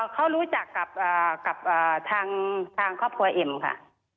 เขารู้จักกับทางครอบครัวเอ็มค่ะ